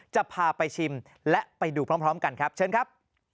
จะพาไปชิมและไปดูพร้อมกันครับเชิญครับ